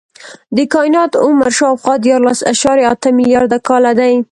د کائنات عمر شاوخوا دیارلس اعشاریه اته ملیارده کاله دی.